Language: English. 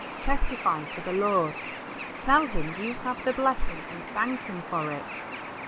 Testify to the Lord, tell Him you have the blessing and thank Him for it.